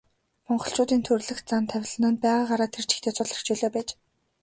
Монголчуудын төрөлх заяа тавилан нь байгаагаараа тэр чигтээ цул эрх чөлөө байж.